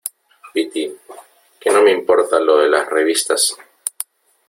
piti , que no me importa lo de las revistas .